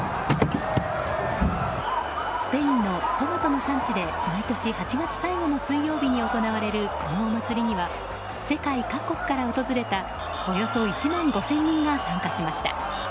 スペインのトマトの産地で毎年８月最後の水曜日に行われるこのお祭りには世界各国から訪れたおよそ１万５０００人が参加しました。